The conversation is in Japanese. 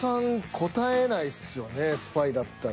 答えないっすよねスパイだったら。